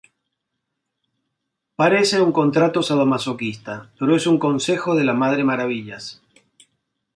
Parece un contrato sadomasoquista, pero es un consejo de la madre Maravillas.